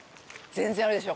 全然あるでしょ！